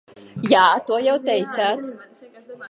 Jā, to jau teicāt.